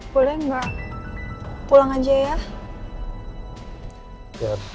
boleh nggak pulang aja ya